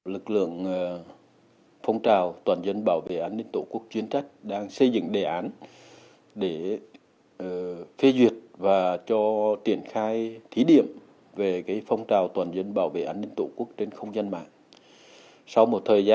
lực lượng phong trào toàn dân bảo vệ an ninh tổ quốc chuyên trách đang xây dựng đề án để phê duyệt và cho triển khai thí điểm về phong trào toàn dân bảo vệ an ninh tổ quốc trên không gian mạng